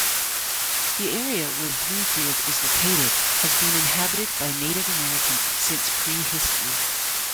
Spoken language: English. The area where Bloomfield is located has been inhabited by Native Americans since prehistory.